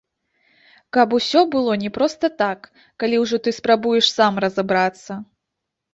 Каб усё было не проста так, калі ўжо ты спрабуеш сам разабрацца.